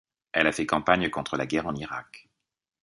Elle a fait campagne contre la guerre en Irak.